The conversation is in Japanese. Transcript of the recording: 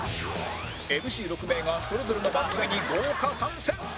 ＭＣ６ 名がそれぞれの番組に豪華参戦！